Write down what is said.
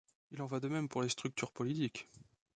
Il en va de même pour les structures politiques.